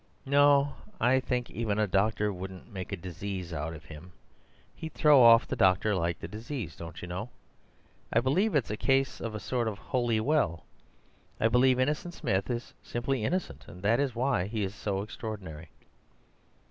"No; I think even a doctor couldn't make a disease out of him. He'd throw off the doctor like the disease, don't you know? I believe it's a case of a sort of holy well. I believe Innocent Smith is simply innocent, and that is why he is so extraordinary."